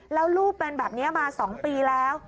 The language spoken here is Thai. แล้วลูกเป็นแบบนี้มา๒ปีแล้ว